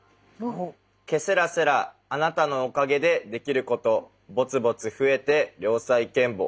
「けせらせらあなたのおかげでできることぼつぼつふえて良才賢歩」。